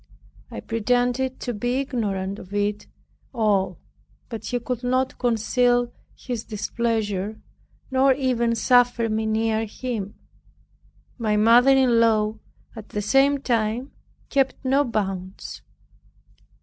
I pretended to be ignorant of it all but he could not conceal his displeasure, nor even suffer me near him. My mother in law at the same time kept no bounds.